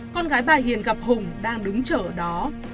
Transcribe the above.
con gái bà hiền gặp hùng đang đứng chở ở đó